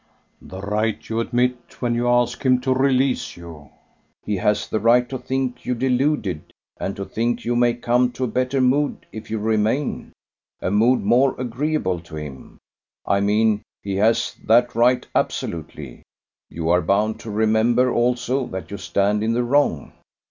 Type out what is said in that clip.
"The right you admit when you ask him to release you. He has the right to think you deluded; and to think you may come to a better mood if you remain a mood more agreeable to him, I mean. He has that right absolutely. You are bound to remember also that you stand in the wrong.